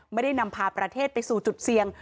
ไม่ได้นำพาประเทศไปสู่จุดเสี่ยง